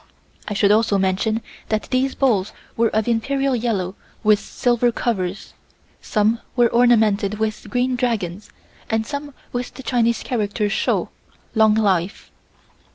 I should also mention that these bowls were of Imperial yellow with silver covers. Some were ornamented with green dragons and some with the Chinese character Shou (Long Life).